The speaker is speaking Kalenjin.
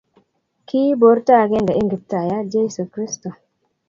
Ki borto agenge eng Kiptaiyat Jeso Kristo